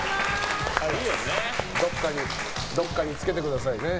どこかにつけてくださいね。